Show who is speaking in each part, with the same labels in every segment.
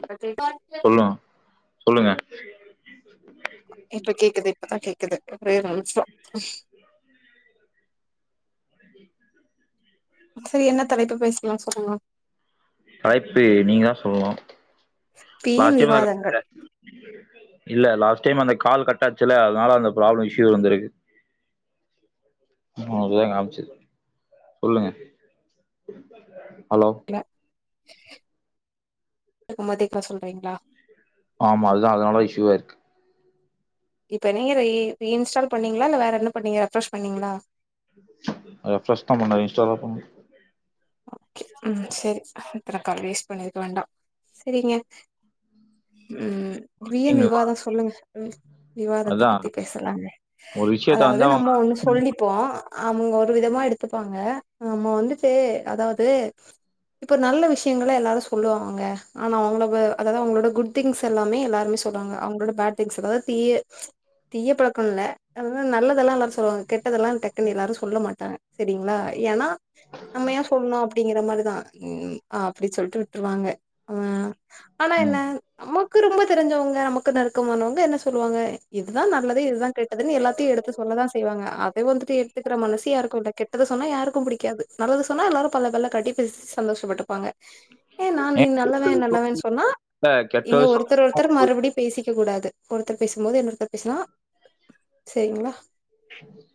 Speaker 1: இப்ப கேக்
Speaker 2: சொல்னா சொல்லுங்க
Speaker 1: இப்ப கேக்குது இப்ப தா கேக் குனு [unintelligible]
Speaker 2: [inaudible]
Speaker 1: செரி என்ன தலைப்பு பேசலா சொல்லுங்க
Speaker 2: தாய்ப்பு நீங்க தா சொல்னு
Speaker 1: ஸ்தீன் விவாதங்கள்
Speaker 2: இல்ல லாஸ்ட் டைம் அந்த கால் கட்டாச்சுல அதனால அந்த ப்ராப்ளம் இஷ்யூ வந்திருக்கு நா அதுதா காம்ச்ச சொல்லுங்க ஹலோ
Speaker 1: அதுக்கு மதிக்ல சொல்றிங்ளா
Speaker 2: ஆமா அதுதா அதனால இஷ்யூவாயிருக்கு
Speaker 1: இப்ப நீங்க இத இ இன்ஸ்டால் பண்ணிங்ளா இல்ல வேற என்ன பண்ணிங்க ரெஃப்ரெஷ் பண்ணிங்ளா
Speaker 2: ரெஃப்ரெஷ் தா பண்ண இன்ஸ்டால் பண்ணல
Speaker 1: ஓகே ம் செரி இத்தன கால் வேஸ்ட் பண்ணிருக்க வேண்டா செரிங்க ம் வீன்
Speaker 2: பண்ண
Speaker 1: விவாதம் சொல்லுங்க ம் விவாதத்த
Speaker 2: அதா
Speaker 1: பத்தி பேசலாமே
Speaker 2: ஒரு விஷயத்த
Speaker 1: அதாவது
Speaker 2: வந்து அவங்க
Speaker 1: நம்ம ஒண்ணு சொல்லிப்போ ஆமுங்க ஒரு விதமா எடுத்துப்பாங்க நம்ம வந்துட்டு அதாவது இப்ப நல்ல விஷ்யங்கள எல்லாரும் சொல்லுவாங்கங்க ஆனா அவுங்கள வ அதாவது அவுங்களோட குட் திங்ஸ் எல்லாமே எல்லாருமே சொல்லுவாங்க அவுங்களோட பேட் திங்ஸ் தீய தீய பழக்கோ இல்ல அத நல்லதெல்லா எல்லாரும் சொல்லுவாங்க கெட்டதெல்லா டக்குன்னு எல்லாரும் சொல்ல மாட்டாங்க செரிங்ளா ஏனா அம்மையா அப்டிங்கிற மாரி தா ம் அப்டி சொல்ட்டு விட்ருவாங்க அவன் ஆனா என்ன
Speaker 2: ம்
Speaker 1: நமக்கு ரொம்ப தெரிஞ்சவங் ஏ நமக்கு நெறுக்கமானவங்க என்ன சொல்லுவாங்க இதுதா நல்லது இதுதா கெட்டதுன்னு எல்லாத்தையும் எடுத்து சொல்லதா செய்வாங்க அத வந்துட்டு எடுத்துக்கிற மனசு யாருக்கும் இல்ல கெட்டது சொன்ன யாருக்கும் புடிக்காது [unintelligible] சொன்னா எல்லாரும் பல்ல பல்ல கட்டி பேசி சந்தோஷப்பட்டுப்பாங்க ஏ நா நீ
Speaker 2: ஏன்
Speaker 1: நல்லவன் நல்லவன்னு சொன்னா
Speaker 2: இல்ல, கெட்ட
Speaker 1: இங்க
Speaker 2: விஷயம்.
Speaker 1: ஒருத்தர் ஒருத்தர் மறுபடியும் பேசிக்க கூடாது ஒருத்தர் பேசும்போது என்னொருத்தர் பேசலா சரிங்களா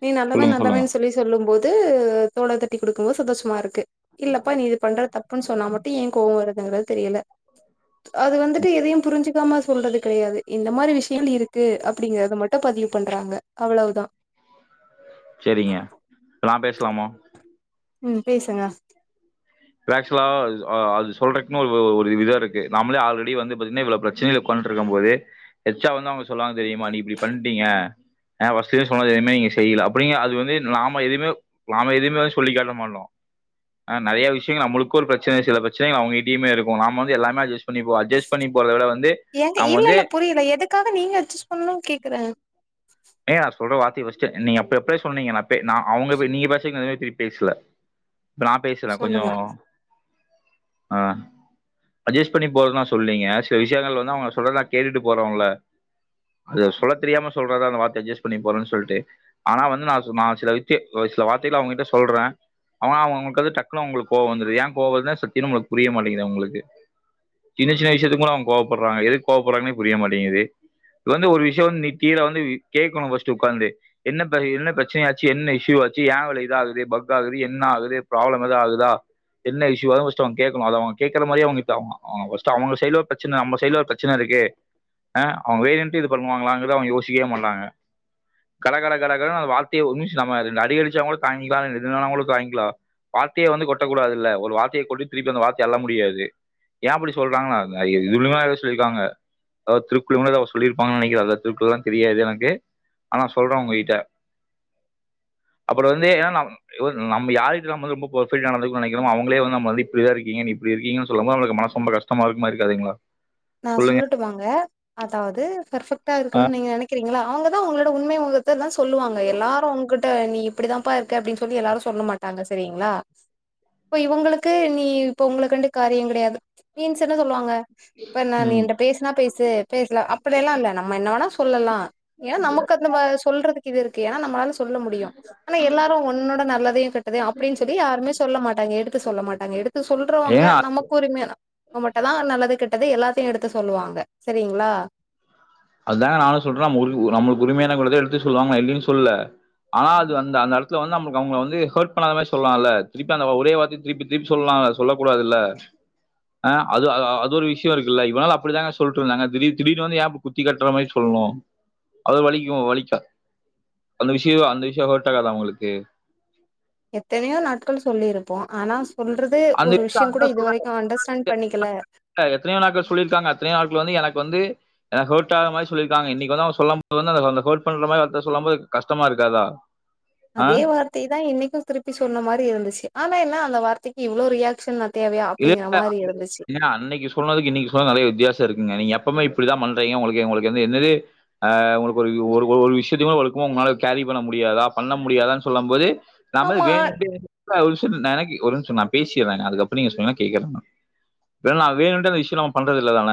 Speaker 1: நீ நல்லவ
Speaker 2: சொல்லுங்க சொல்லுங்க
Speaker 1: நல்லவன்னு சொல்லி சொல்லும் போது இது தோல தட்டி கொடுக்கும் போது சந்தோஷம் சுமா இருக்கு இல்லப்பா நீ இது பண்ற தப்புன்னு சொன்னா மட்டு ஏ கோவ வருதுங்கிறது தெரியல அது வந்துட்டு எதையும் புரிஞ்சுக்காம சொல்றது கெடயாது இந்த மாதிரி விஷயங்கள் இருக்கு அப்டிங்கிறத மட்டு பதிவு பண்றாங்க அவ்வளவுதா
Speaker 2: லாமா
Speaker 1: ம் பேசுங்க
Speaker 2: ஆக்சுவலா அது சொல்றதுக்குன்னு ஒரு விதோ இருக்கு நாமளே ஆல்ரெடி வந்து பாத்தீங்கன்னா இவ்ளோ பிரச்சனைகளை கொண்ட்டு இருக்கும் போது எச்சா வந்து அவுங்க சொன்னாங்க தெரியுமா நீ இப்டி பண்ட்டீங்க ஆ வச்லே சொன்ன எதுமே நீங்க செய்யல அப்டிங்க அது வந்து நாம எதுவுமே நாம எதுவுமே வந்து சொல்லிக் காட்ட மாட்டோ ஆ நெறய விஷய நம்மளுக்கு ஒரு பிரச்சன சில பிரச்சன அவுங்கிட்டமே இருக்கு நாம வந்து எல்லேமே அஜ்ஜட் பண்ணிப்போ அஜ்ஜஸ் பண்ணி போறத விட வந்து
Speaker 1: ஏங்க
Speaker 2: நாம
Speaker 1: இல்ல
Speaker 2: வந்து
Speaker 1: இல்ல புரியுல எதுக்காக நீங்க அட்ஜஸ்ட் பண்ணணும்னு கேக்குறே
Speaker 2: "ஏய் நான் சொல்ற வார்த்தை ஃபஸ்ட்டு நீங்க அப்ப எப்படி சொன்னீங்க அவுங்க நீங்க பேசல இப்ப நா பேசல கொஞ்சோ
Speaker 1: சொல்லுங்க
Speaker 2: ஆஹ் அட்ஜஸ்ட் பண்ணி போறதுன்னா நா சொல்லீங்க சில விஷயங்கள் வந்து அவுங்க சொல்றதா கேட்டுட்டு போறவங்கள அது சொல்ல தெரியாம சொல்றதா அந்த வார்த்தை அட்ஜஸ்ட் பண்ணி போறேன்னு சொல்ட்டு ஆனா வந்து நா நா சில வித்த சில வார்த்தைகள் அவங்கிட்ட சொல்றே அவனா அவுங்களுக்குது டக்குனும் அவுங்களுக்கு கோவ வந்துரு ஏ கோப வருதுன்னா சத்தியமா உங்களுக்கு புரிய மாட்டேங்கது அவுங்களுக்கு சின்ன சின்ன விஷயத்துக்கு கூட அவுங்க கோவப்படுறாங்க எதுக்கு கோவப்படுறாங்கன்னே புரிய மாட்டேங்குது இது வந்து ஒரு விஷயோ வந்து நீ கீழ வந்து கேட்கணும் ஃபஸ்டு ஒக்காந்து என்ன என்ன பிரச்சனைய ஆச்சு என்ன இஷ்யூ ஆச்சு ஏ இவ்ள இதா ஆகுது பக் ஆகுது என்ன ஆகுது ப்ராப்ளம் எதா ஆகுதா என்ன இஷ்யுவாசுட்டு அவுங்க கேக்கணும் அத அவுங்க கேக்ற மாதிரியே அவுங்க அவுங்கச் சைடுல பிரச்சனை நம்ம சைட்ல ஒரு பிரச்சனை இருக்கு அவுங்க வேணுட்டே இது பண்ணுவாங்களாங்க அவுங்க யோசிக்கவே மாட்டங்க கட கட கடனு வார்த்தய ந ரெண்டு அடி அடிச்சாங் கூட தாங்கிக்கலா திட்டுனாகூட தாங்கிக்லா வார்த்தையை வந்து ட்டக்குடாதல்லா ஒரு வார்த்தய கொட்டித்திருப்பி அந்தவார்த்தய அல்லமுடியாது ஏன் அப்டி சொல்றாங்க [unintelligible] திருக்குறலா ஏதோ சொல்லிருப்பாங்கனு நின க்கிற அந்த திருக்குறளல தெரியாது எனக்கு ஆனா சொல்ற உங்ககிட்ட அப்றோ வந்து ஏன்னா நாம யார்கிட்டேயு பெர்வெக்டா நடந் நெனக்கிறமோ அவுங்களே வந்து நம்ம இப்டிதா இருக்கங்கப்படி இருக்கீங்க சொல்லும்போது மனசு ரொம்ப கஷ்டமா இருக்குமா இருக்காதுங்ளா
Speaker 1: நா சொல்லட்டுமாங்க அதாவது ஃபெர்பெக்ட்
Speaker 2: ஆ.
Speaker 1: இருக்குனு நீங்க நெனக்குறீங்களா அவுங்க தா உங்களோட உண்மை உங்க இதெல்லா சொல்லுவாங்க எல்லாரு உங்ககிட்ட நீ இப்படிதாப்பா இருக்க அப்டின்னு சொல்லி எல்லாரு சொல்ல மாட்டாங்க சரிங்ளா இப்ப இவுங்களுக்கு நீ இப்ப உங்கள கண்டு காரியங் கிடையாது மீன்ஸ் என்ன சொல்லுவாங்க இப்ப நா நீ
Speaker 2: ம்.
Speaker 1: என்ட பேசுனா பேச சேரி பேசல அப்படியெல்லா இல்ல நம்ம என்ன வேணா சொல்லலா ஏன்னா நமக்கு அந்த சொல்றதுக்கு இது இருக்குயா நம்மளால சொல்ல முடியு ஆனா எல்லாரு உன்னோட நல்லதையு கெட்டதயு அப்டின்னு சொல்லி யாருமே சொல்ல மாட்டாங்க எடு சொல்ல மாட்டாங்க எடுத்து சொல்றவங்க
Speaker 2: ஏன்னா
Speaker 1: நமக்கு உரிம தா நமக்களா ஒரு நல்லது கெட்டது எல்லாத்தையு எடுத்து சொல்லுவாங்க சரிங்ளா
Speaker 2: அதா நா சொல்றே நம்ம உரிமையானவங்களுக்கதா எடுத்து சொல்வாங்க இல்லேனு சொல்லல் ஆனா அது வந் அந்த எடத்ல வந்து அவுங்க வந்து ஹேட் பண்ணாத மாரி சொல்லலாம்ல திருப்பி ஒரே வார்த்தய திருப்பி திருப்பிசொல்லா செல்லக்கூடாதுல்ல ஆ அது ஒரு விஷய இருக்குல இவ்ள நாளு அப்டிதாசொல்ட்டு இருந்தாங்க திடீர் திடீர்னு வந்து குத்தி காட்ற மாரி சொல்லணு அது வலிக்கு வலிக்கா அந்த விஷயோ அந்த விஷயோ ஹர்ட் ஆகாதா அவவுங்களுக்கு
Speaker 1: எத்தனையோ நாட்கள் சொல்லிருப்போ ஆனா சொல்றது
Speaker 2: அந்த
Speaker 1: ஒரு
Speaker 2: விஷயம்
Speaker 1: விஷயங் கூட
Speaker 2: அதான்
Speaker 1: இதுவரைக்கு அண்டர்ஸ்டாண்ட் பண்ணிக்கல
Speaker 2: கள் வந்து எனக்கு வந்து ஆ ஹர்ட் ஆகுற மாரி சொல்லிருக்காங்க இன்னைக்கி வந்து அவங்க சொல்லும் போது வந்து அந்த அந்த ஹர்ட் பன்ற மாரி வார்த்தை சொல்லும் போது கஷ்டமா இருக்காதா
Speaker 1: அதே
Speaker 2: ஆஹ்
Speaker 1: வார்த்தையதா இன்னைக்கு திருப்பி சொன்ன மாரி இருந்துச்சு ஆனா என்ன அந்த வார் த்தைக்கி இவ்ளோ ரியாக்ஷன் அது
Speaker 2: இல்ல இல்லங்க அன்னக்கி இல்லங்க அன்னக்கி சொன்னதுக்கு இன்னக்கி சொன்னதுக்கு நெறைய வித்தியாசோ இருக்குங்க நீங்க எப்பமே இப்டிதா பண்றீங்க உங்களுக்கு உங்களுக்கு வந்து என்னது ஆ உங்களுக்கு ஒரு ஒரு ஒரு விஷயத்தயங்கூட ஒழுக்கமா உங்களால சரி பண்ண முடியாதா பண்ண முடியாதான்னு சொல்லம் போது நம்ம எதோ
Speaker 1: ஆமா
Speaker 2: வேணுன்ட்டே [inaudible] நா எனக்கு ஒரு நிமிஷோ நா பேசிர்றேங்க அதுக்கப் பறோ நீங்க சொன்னா கேக்கற நா இல்ல நா வேணுன்ட்டே இந்த இஷ்யூ நம்ம பண்றதில்லதான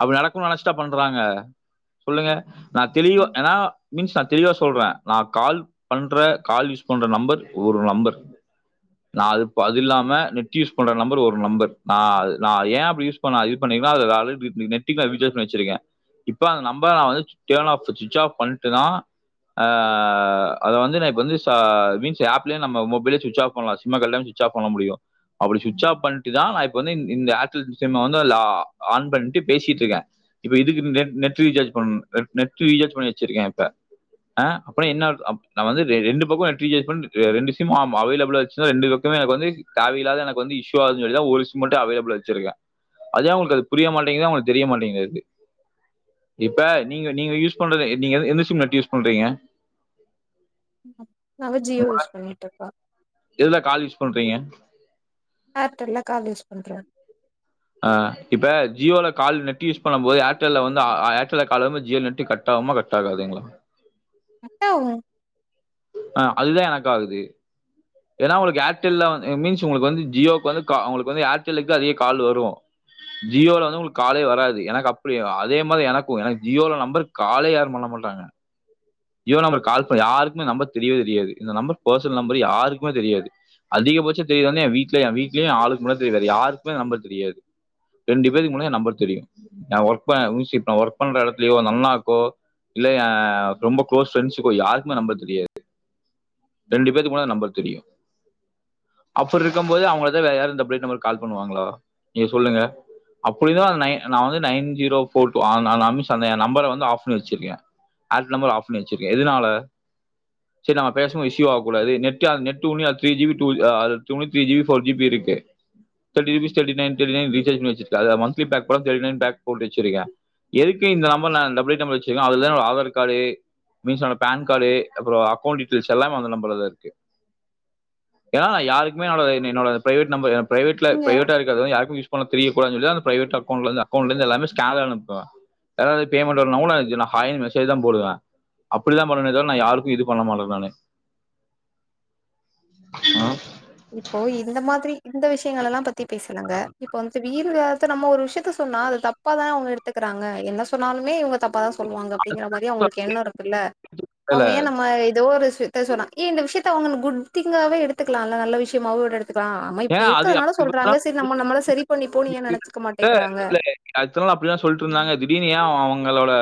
Speaker 2: அப்டி நடக்குன்னு நெனச்சுட்டா பண்றாங்க சொல்லுங்க நா தெளிவா ஏன்னா மீன்ஸ் நா தெளிவா சொல்றே நா கால் பண்ற கால் யூஸ் பண்ற நம்பர் ஒரு நம்பர் நா அது அது இல்லா ம நெட் யூஸ் பண்ற நம்பர் ஒரு நம்பர் நா அது நா ஏன் அப்டி யூஸ் பண்ண இது பண்ணிருக்கனா அது ஆல்ரெடி நெ நெட்டுக்கு நா ரீசார்ஜ் பண்ணி வெச்சிருக்கே. இப்ப அந்த நம்பர் நா வந்து சு டேர்ன் ஆஃப் சு சுவிட்ச் ஆஃப் பண்ட்டுதா ஆ அது வந்து நா இப்ப வந்து ஷா மீன்ஸ் ஆப்லயே நம்ம மொபைல்ல சுவிட்ச் ஆஃப் பண்லா சிம்ம கழட்டாம சுவிட்ச் ஆஃப் பண்ண முடியு அப்பிடி சுவிட்ச ஆப் பண்ட்டுதா நா இப்ப வந்து இந் இந்த ஏர்டெல் சிம்ம வந்து அதுல ஆன் பண்ட்டு பேசிட்டு இருக்கே இப்ப இதுக்கு ன் நெட் நெட் ரீசார்ஜ் பண் நெட் நெட் ரீசார்ஜ் பண்ணி வச்சிருக்கே இப்ப ஆ அப்புற என்ன அர் அப் நா வந்து ரெ ரெண்டு பக்கமு நெட் ரீசார்ஜ் பண்ணிட்டு ரெண்டு சிம் அம் அவைலபிளா ஆச்சுன்னா ரெண்டு பக்கமு எனக்கு வந்து தேவையில்லாத எனக்கு வந்து இஷ்யூ ஆகுதுன்னு சொல்லிதா ஒரு சிம் மட்டு அவைலபிளா வச்சிருக்கே அது ஏன் உங்களுக்கு அது புரிய மாட்டேங்குதுனு அவுங்களுக்கு தெரிய மாட்டேங்குது அது இப்ப நீங்க நீங்க யூஸ் பண்றது நீங்க எ எந்த சிம் நெட் யூஸ் பண்றீங்க
Speaker 1: அ அவ ஜியோ
Speaker 2: உங்க
Speaker 1: யூஸ் பண்ணிட்ருக்கா
Speaker 2: எதுல கால் யூஸ் பண்றீங்க
Speaker 1: ஏர்டெல்ல கால் யூஸ் பண்றே
Speaker 2: ஆ இப்ப ஜியோல கால் நெட்டு யூஸ் பண்ணும் போது ஏர்டெல்ல வந்து ஆ ஏர்டெல்ல கால் வந்தா ஜியோ நெட்டு கட் ஆகுமா கட் ஆகாதுங்களா
Speaker 1: ஆகு
Speaker 2: ஆ அதுதா எனக்கு ஆகுது ஏன்னா உங்களுக்கு ஏர்டெல்ல வந் இட் மீன்ஸ் உங்களுக்கு வந்து ஜியோவுக்கு வந்து கா உங்களுக்கு வந்து ஏர்டெல்லுக்கு அதிக கால் வரு ஜியோல வந்து உங்களுக்கு காலே வராது எனக்கு அப்டி அதே மாரி எனக்கு எனக்கு ஜியோல நம்பர் காலே யாரு பண்ண மாட்டாங்க ஜியோ நம்பர் கால்ஸ் யாருக்குமே நம்பர் தெரியவே தெரியாது இந்த நம்பர் பெர்சனல் நம்பர் யாருக்குமே தெரியாது அதிகபட்சோ தெரிஞ்சது வந்து என் வீட்ல என் வீட்லயு என் ஆளுக்கு மட்டும்தா தெரியு வேற யாருக்குமே ஏன் நம்பர் தெரியாது ரெண்டு பேருக்கு மட்டும்தான் ஏன் நம்பர் தெரியு ன் ஒர்க் பண்ற [unintelligible] ஒர்க் பண்ற எடத்துலயோ எங்கண்ணாக்கோ இல்ல ஏன் ரொம்ப குளோஸ் ஃப்ரெண்ட்ஷுக்கோ யாருக்குமே ஏன் நம்பர் தெரியாது ரெண்டு பேத்துக்கு மட்டுந்தா என் நம்பர் தெரியு அப்டி இருக்கும் போது அவங்கள தவிர வேற யாரு இந்த பிரைவேட் நம்பருக்கு கால் பண்ணுவாங்களா நீங்க சொல்லுங்க அப்பிடி இருந்து அந்த நை நா வந்து நைன் ஜீரோ ஃபோர் டூ அந் அந் அந் சந்தேக நம்பர வந்து ஆஃப் பண்ணி வச்சிருக்கே ஏர்டெல் நம்பர் ஆஃப் பண்ணி வச்சிருக்கே எதுனால சேரி நம்ம பேச ம்போது இஷ்யூ ஆகக்கூடாது நெட்டு அது நெட்டு உன்னி அது த்ரீ ஜி பி டூ ஆ அது தொண்ணூத்தி G B four G B இருக்கு thirty rupees thirty nine thirty nine recharge பண்ணி வச்சிருக்கே அது மந்த்லி பேக் போட்டா தர்ட்டி நைன் பேக் போட்டு வச்சிருக்கே எதுக்கு இந்த நம்பர் நா டபுள் எய்ட் நம்பர் வச்சிருக்கன்னா அதுலதா நம்ம ஆதார் கார்டு மீன்ஸ் நம்ம பான் கார்டு அப்றோ அக்கவுண்ட் டீட் டைல்ஸ் எல்லாமே அந்த நம்பர்லதா இருக்கு ஏன்னா நா யாருக்குமே என்னோட என் என்னோட பிரைவேட் நம்பர் பிரைவேட்ல
Speaker 1: நீங்க
Speaker 2: பிரைவேட்டா இருக்கறதுதா யாருக்குமே யூஸ் பண்றது தெரியக்கூடாதுன்னு சொல்லிதா அந்த பிரைவேட் அக்கவுண்ட்ல இருந்து அக்கவுண்ட்ல இருந்து எல்லாமே ஸ்கேனா அனுப்பிருவ ஏதாது பேமெண்ட் வரலனா கூட அதுக்கு ஹாய்னு மெசேஜ்தா போடுவே அப்டிதா பண்ணுவனே தவிர நா யாருக்கு இது பண்ண மாட்ட நானு ம்
Speaker 1: இப்போ இந்த மாதிரி இந்த விஷயங்கள எல்லா பத்தி பேசலங்க இப்ப வந்து வேறொரு ஆள் ட்ட நம்ம ஒரு விஷயத்த சொன்னா அத தப்பதான அவங்க எடுத்துக்கிறாங்க என்ன சொன்னாலுமே இவங்க தப்பாதா சொல்வாங்க அப்டிங்கற மாரி அவங்களுக்கு எண்ணோ இருக்குல்ல
Speaker 2: இல்ல
Speaker 1: அவங்க ஏன் நம்ம ஏதோ ஒரு த்த சொன்னா ஏ இந்த விஷயத்த அவங்க குட் திங்காவே எடுத்துக்கலா ந நல்ல விஷயமாவுகூட எடுத்
Speaker 2: ஏன் அது
Speaker 1: நம்ம நம்மள சரி பண்ணிப்போ ஏ நெனச்சுக்க மாட்டேங்கிறாங்க
Speaker 2: இல்ல அடுத்த அப்படில்லான் சொல்லிட்டு இருந்தாங்க திடீர்னு ஏன் அவுங் களோட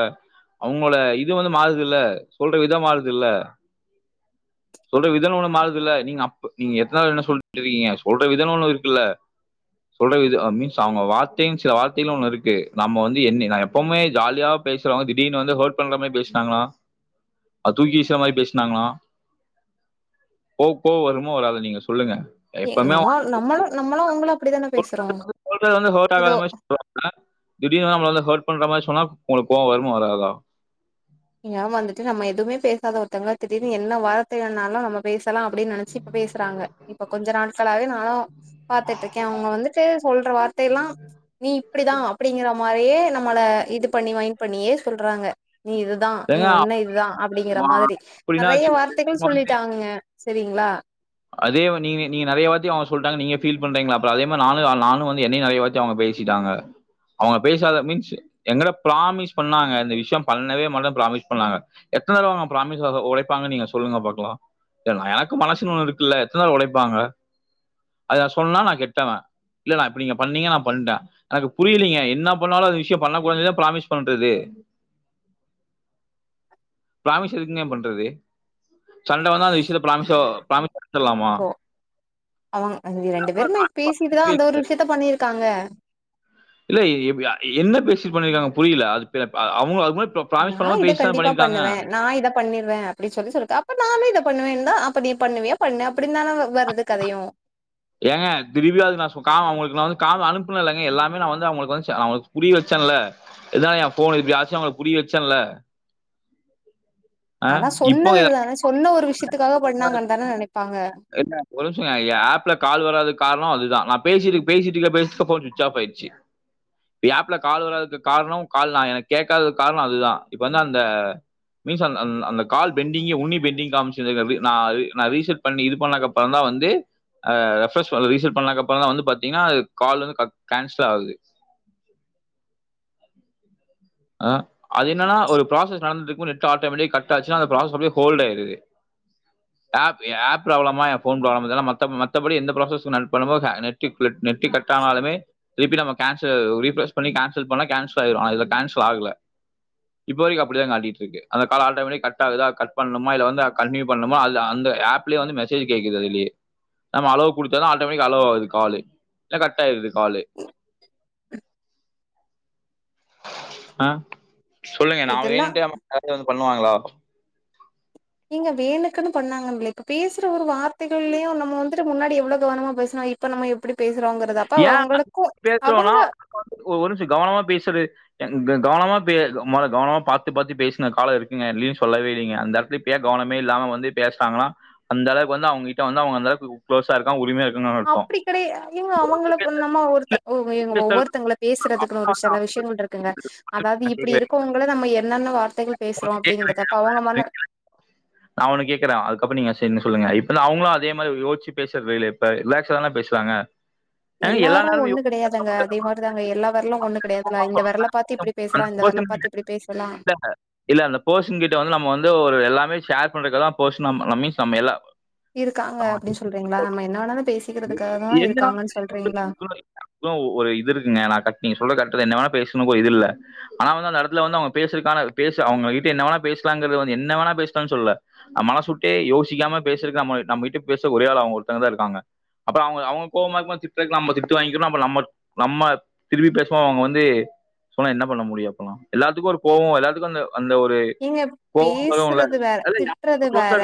Speaker 2: அவுங்களோட இது வந்து மாறுது இல்ல சொல்ற விதம் மாறுதுல இல்ல சொல்ற விதம் ஒன்னு மாறுதுல நீங்க அப் நீங்க எத்தன்ன தடவ சொல்ட்டு இருக்கீங்க சொல்ற விதம்னு ஒன்னு இருக்குல்ல சொல்ற வித மீன்ஸ் அவுங்க வார்த்தை சில வார்த்தைகளும் ஒன்னு இருக்கு நம்ம வந்து என்ன நான் எப்பவுமே ஜாலியா பேசுறவுங்க திடீர்னு வந்து ஹர்ட் பண்ற மாதிரி பேசினாங்கனா அது தூக்கிவீசுற மாதிரி பேசினாங்கனா கோ கோவம் வருமா வராத நீங்க சொல்லுங்க
Speaker 1: நம்ம நம்மளும் நம்மளும் உங்கள
Speaker 2: ஆ ஒரு செல பேர் வந்து ஹர்ட் ஆகாத மாரி சொல்வாங்க தீடிர்னு நம்மள வந்து ஹர்ட் பண்ற மாதிரி சொன்னா உங்களுக்கு கோவம் வருமா வராதா
Speaker 1: ஏன் வந்துட்டு நம்ம எதுவுமே பேசாத ஒருத்தங்க திடிர்னு என்ன வார்த்தைனாலும் நம்ம பேச லாம் அப்படின்னு நனைச்சு இப்ப பேசுறாங்க இப்ப கொஞ்ச நாட்களாவே நானும் பாத்துட்டு இருக்கேன் அவுங்க வந்துட்டு சொல் [unintelligible] ப்ப எல்லாம் நீ இப்படிதான் அப்படிங்கற மாதிரியே நம்மள இது பண்ணி வயன் பண்ணியே சொல்றாங்க தான் நீ
Speaker 2: ஏங்க
Speaker 1: ஒன்ன இதுதான் அப்படிங்கிற மாதிரி
Speaker 2: அப்படின்னா
Speaker 1: நெறைய
Speaker 2: வச்சு,
Speaker 1: வார்த்தைகள்
Speaker 2: அவங்க வந்து
Speaker 1: சொல்லிட்டாங்க செரிங்களா
Speaker 2: அதே நீங்க நீங்க நிறைய வாத்தி அவுங்க சொல்ட்டாங்க நீங்க ஃபீல் பண்றீங்களா அப்புறம் அதே மாதிரினும் நானும் வந்து என்னையும் நெறைய வாத்தி அவுங்க பேசிட்டாங்க அவுங்க பேசாத மீன்ஸ் எங்கள ப்ராமிஸ் பண்ணாங்க இந்த விஷயம் பண்ணவே மட்டும் ப்ராமிஸ் பண்ணாங்க எத்தனை தவை அவுங்க ப்ராமிஸ் உழைப்பாங்ன்னு நீங்க சொல்லுங்க பாக்கலாம் எனக்கு மனசு ஒன்னு இருக் குல எத்தன உழைப்பாங்க அத நான் சொன்னா நான் கெட்டவன் இல்ல நான் எப்டிங்க நீங்க பண்ணீங்க நான் பண்டேன் எனக்கு புரியலீங்க என்னா பண்ணாலும் அந்த விஷியம் பண்ணகூடாதுன்னு ப்ராமிஸ் பண்றது ப்ராமிஸ் எதுக்குங்க பண்றது சண்டை வந்தா அந்த நிமிஷம் ப்ராமிஸ்ஸோ
Speaker 1: இப்ப அவுங்க ரெண்டு பேருமே பேசிட்டுதான் அந்த ஒரு விஷயத்த பண்ணிருக் தாங்க
Speaker 2: இல்ல எப் என்ன பேசி பண்ணிருக்காங்க புரியல அது அவுங்க அது மாரி ப்ராமிஸ் பண்ண
Speaker 1: நான்
Speaker 2: மாரி
Speaker 1: இதை
Speaker 2: பேசி தான
Speaker 1: கண்டிப்பா
Speaker 2: பண்ணிருக்காங்க.
Speaker 1: பண்ணுவேன் நான் இதை பண்ணிடுவேன் அப்படின்னு சொல்லி சொல்க் அப்ப நானே இதை பண்ணுவேன்னு தான் அப்ப நீ பண்ணுவியா பண்ணு அப்படின்னு தானே வருறது கதையும்
Speaker 2: ஏங்க திரும்பியாது நான் கா அவுங்களுக்கு நான் வந்து கா அனுப்புனேன்லங்க எல்லாமே நான் வந்து அவுங்களுக்கு வந்து அவளுக்கு புரிய வச்சேன்ல இதான் ஏன் ஃபோன் எப்படி ஆச்சும் அவுங்களுக்கு புரிய வச்சேன்ல
Speaker 1: ஆனா சொன்னது தானே சொன்ன ஒரு விஷயத்துக்காக பண்ணாங்கன் தான நெனைப்பாங்க
Speaker 2: என் நிமிஷம் ஏன் ஆப்ல கால் வராதது காரணம் அதுதான் நான் பேசிட்டு பேசிட்டு இருக்கேல ஃபோன் சுவிட்ச் ஆப் ஆயிடுச்சு லேப்ல கால் வராததுக்கு காரணம் எனக்கு கேக்காததுக்கு காரணம் அது தான் இப்ப வந்து அந்த கால் யூஸர் பென்டிங் உன்னி பென்டிங் ஒரு நிமிஷம் இருங்க அப்டி நா நா ரிசெட் பண்ணி இது பண்ணதுக்கு அப்பறம் வந்து ரெப்பிரேஷ் வருது ரிசெட் பண்ணதுக்கு அப்பறம் தான் பாத்திகனா கால் வந்து கேன்சல் ஆகுது அது என்னனா ஒரு ப்ராஸஸ் நடந்துட்டு இருக்கும் போது நெட் ஆட்டோமேட்டிகா கட் ஆட்சி அந்த ப்ரோஸஸ் அப்படியே ஹோல்டு ஆயிடுது ஆப் ப்ராப்லமா இல்லை என் ஃபோன் ப்ராப்லமா மத்தபடி எந்த ப்ராப்லம் ப்ராஸஸ் நெட் நெட்டு கட்டானாலுமே திருப்பி நாம கேன்சல் ரிபிலேஸ் பண்ணி கேன்சல் பண்ண கேன்சல் ஆயிடும் கால்ல இப்போ வரைக்கும் அப்படிதான் காட்டிட்டு இருக்கு அந்த காால் ஆட்டோமேிக் கட் ஆகுதா கட் பண்ணணுமா இல்ல வந்து கண்டிநியூ பண்ணணுமா அது அந்த ஆப்லேயே வந்து மெசேஜ் கேக்குது அதுலேயே நம்ம அலோ குடுத்தா தான் ஆட்டோமேடிக் அலோ ஆகுது காலு இல்ல கட் ஆயிருது காலு
Speaker 1: ம்
Speaker 2: ஆ சொல்லுங்க நான்
Speaker 1: இதெல்லா
Speaker 2: வேணுண்டே ப்ராப்லம் [unintelligible] பண்ணுவாங்களா
Speaker 1: நீங்க வேணுக்குன்னு பண்ணாங்க இப்ப பேசுற ஒரு வார்த்தைகள்யும் நம்ம வந்துட்டு முன்னாடி எவ்வளவு கவனமா பேசனும் இப்ப நம்ம எப்டி பேசுறோங்கறது அப்ப
Speaker 2: ஏ
Speaker 1: அவங்களுக்கு
Speaker 2: பேசுறோம்னா
Speaker 1: அவங்க
Speaker 2: ஒரு நிமிஷ கவனமா பேசுது என்கு கவனமா பே கவனமா பாத்து பாத்து பேசுன கால இருக்குங்க அப்டின்னு சொல்லவே இல்லிங்க அந்த இடத்துலயே கவனமே இல்லாம வந்து பேசறாங்களா அந்த அளவுக்கு வந்து அவங்ககிட்ட வந்து குளோஸ் இருக்காங்க உரிமையா இருக்காங்கன்னு அர்த்தம்
Speaker 1: அப்டி கெடையாங்
Speaker 2: யோசிச்சு
Speaker 1: அவுங்களு
Speaker 2: பேசுறது,
Speaker 1: நம்ம ஒருத்த
Speaker 2: பேசுறதுக்கு
Speaker 1: ஒவ்வொருத்தவங்க பேசுறதுக்குன்னு ஒரு
Speaker 2: வந்து
Speaker 1: சில
Speaker 2: அவங்க-
Speaker 1: விஷயங்கள் இருக்குங்க அதாது இப்டி இருக்கவங்கள நம்ம என்ன நன்னுவா
Speaker 2: [unintelligible] அவன கேக்குறே அதுக்கப்பற நீங்க அசி என்ன சொல்லுங்க இப்பலா அவங்களு அதே மாரி யோட்சி பேசுற இப்ப ரிலாக்சா தான பேசுறாங்க ஏங்க எல்லா
Speaker 1: எல்லாரு
Speaker 2: நேரமும்
Speaker 1: ஒண்ணு
Speaker 2: யோசிச்சு பேச
Speaker 1: கெடையாதுங்க
Speaker 2: முடியாது
Speaker 1: அதே மாரிதாங்க எல்லா வெரலும் ஒண்ணு கெடையாதுல்லா இந்த வெரல பாத்து இப்படி பேசலா
Speaker 2: அந்த
Speaker 1: இந்த வெரல பாத்து
Speaker 2: கிட்ட
Speaker 1: இப்டி பேசலா
Speaker 2: இல்ல அந்த போசன் கிட்ட வந்து நம்ம வந்து ஒரு எல்லாமே ஷேர் பண்றக்குதா
Speaker 1: இருக்காங்க அப்டின்னு சொல்றீங்களா நம்ம என்ன வேணாலு பேசிக்கிறதுக்காக தா இருக்காங்கன்னு சொல்றீங்களா
Speaker 2: [unintelligible] [unintelligible] இது இருக்குங்க நா நீங்க சொல்ற என்ன வேன பேசணு இது இல்ல ஆனா வந்து அந்த இடத்துல வந்து அவுங்க பேசுறக்கான பேச அவங்க கிட்ட என்ன வேணா பேசலாங்கறத வந்து என்ன வேணா பேசலாம்னு சொல்ல மனசு விட்டே யோசிக்காம பேசறக்க நம்மகிட்ட பேச ஒர ஆள் அவங்க ஒருத்தங்க தா இருகங்கா அப்பறம் அவங்க அவங்க கோபமா இருக்கு போது திட்றதுக்கு நம்ப திட்டு வாங்கிக்கணும் நம்ம நம்ம திரும்பி பேசோ அவுங்க வந்து சொன்னா என்ன பண்ண முடியும் அப்பறம் எல்லாத்துக்கு ஒரு கோபம் எல்லா [unintelligible]
Speaker 1: நீங்க
Speaker 2: வரும்ல
Speaker 1: பேசுறது வேற
Speaker 2: அது
Speaker 1: திட்டுறது
Speaker 2: க்ளோஸா
Speaker 1: வேற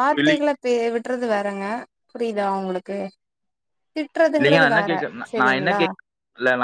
Speaker 2: இருக்காங்க
Speaker 1: பே விடுறது வேறங்க புரியுது இதா உங்களுக்கு
Speaker 2: இல்லைங்க
Speaker 1: திட்டுறதுங்குறது
Speaker 2: நான் என்ன
Speaker 1: வேற
Speaker 2: கேட்க நான் என்ன
Speaker 1: சரிங்களா
Speaker 2: கேட்கல